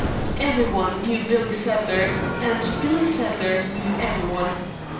Every one knew Billy Sadler and Billy Sadler knew every one.